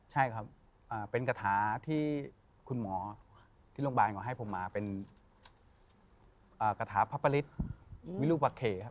ใช่ครับเป็นกระถาที่คุณหมอที่โรงพยาบาลเขาให้ผมมาเป็นกระถาพระปริศวิลุปะเขครับ